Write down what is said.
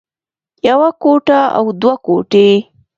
يوه ګوته او دوه ګوتې